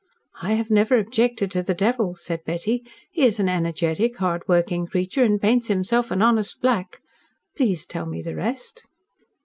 "I have never objected to the devil," said Betty. "He is an energetic, hard working creature and paints himself an honest black. Please tell me the rest."